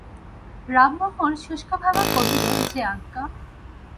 রামমোহন শুষ্কভাবে কহিল, যে আজ্ঞা।